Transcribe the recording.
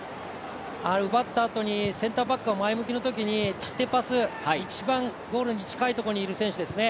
あれ、奪ったあとにセンターバックが前向きのときに縦パス、一番ゴールに近いところにいる選手ですね。